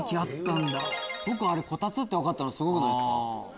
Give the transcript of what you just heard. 僕こたつって分かったのすごくないですか？